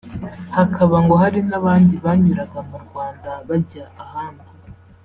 hakaba ngo hari n’abandi banyuraga mu Rwanda bajya ahandi